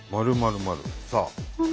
「○○○」さあ。